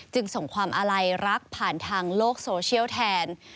จึงส่งความอาลัยรักผ่านทางโลกโซเชียลแทน